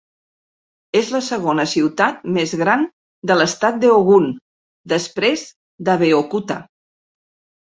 És la segona ciutat més gran de l'estat d'Ogun després d'Abeokuta.